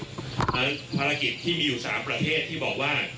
เพราะฉะนั้นภารกิจที่มีอยู่๓ประเทศที่บอกว่า